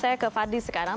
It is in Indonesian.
saya ke fadli sekarang